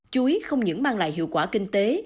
chuối không những mang lại hiệu quả kinh tế